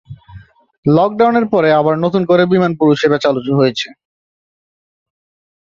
লকডাউনের পরে আবার নতুন করে বিমান পরিষেবা চালু হয়েছে।